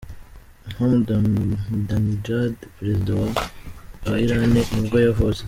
Mahmoud Ahmadinejad, perezida wa wa Iran nibwo yavutse.